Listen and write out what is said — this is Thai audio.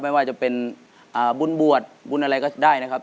ไม่ว่าจะเป็นบุญบวชบุญอะไรก็ได้นะครับ